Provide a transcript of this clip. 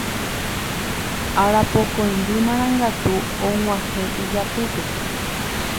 Arapokõindy Marangatu og̃uahẽ ijapýpe